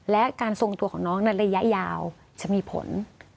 และการทรงตัวของน้องในระยะยาวจะมีผล